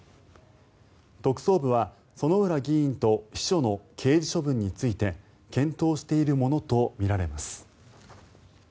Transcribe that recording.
特捜部は薗浦議員と秘書の刑事処分について検討しているものとみられます。